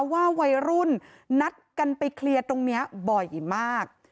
ว่าวัยรุ่นนัดกันไปเคลียร์ตรงนี้บ่อยมาก